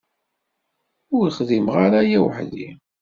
Ur xdimeɣ ara aya weḥd-i.